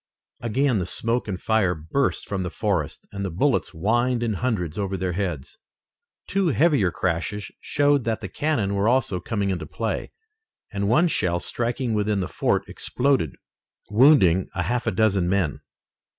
Again the smoke and fire burst from the forest, and the bullets whined in hundreds over their heads. Two heavier crashes showed that the cannon were also coming into play, and one shell striking within the fort, exploded, wounding a half dozen men.